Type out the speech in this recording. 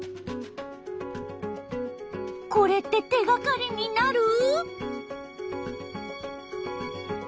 これって手がかりになる？